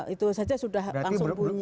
itu saja sudah langsung bunyi